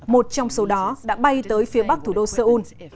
một trong số đó đã bay tới phía bắc thủ đô seoul